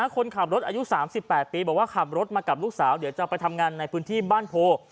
คนขับรถอายุ๓๘ปีบอกว่าขับรถมากับลูกสาวเดี๋ยวจะไปทำงานในพื้นที่บ้านโพ